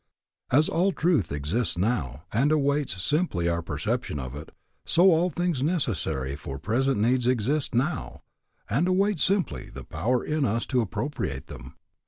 As all truth exists now, and awaits simply our perception of it, so all things necessary for present needs exist now, and await simply the power in us to appropriate them.